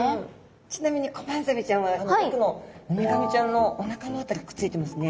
ちなみにコバンザメちゃんはあの奥のウミガメちゃんのおなかの辺りくっついてますね。